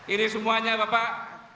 ini semuanya bapak